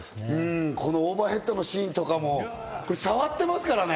オーバーヘッドのシーンとかも触ってますからね。